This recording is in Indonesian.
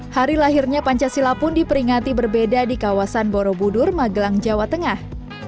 hari lahirnya pancasila pun diperingati berbeda di kawasan borobudur magelang jawa tengah